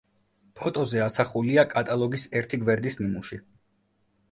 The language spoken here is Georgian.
ფოტოზე ასახულია კატალოგის ერთი გვერდის ნიმუში.